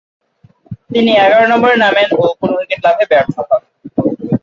তিনি এগারো নম্বরে নামেন ও কোন উইকেট লাভে ব্যর্থ হন।